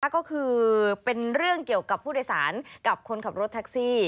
ก็คือเป็นเรื่องเกี่ยวกับผู้โดยสารกับคนขับรถแท็กซี่